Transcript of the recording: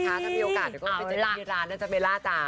ถ้ามีโอกาสเดี๋ยวก็ไปเจอที่ร้านนะจ๊เบลล่าจ้า